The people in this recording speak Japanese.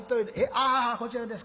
「ああこちらですか。